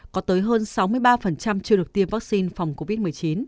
có tới hơn sáu mươi ba chưa được tiêm vaccine phòng covid một mươi chín